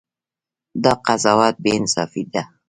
دا قضاوت بې انصافي ده.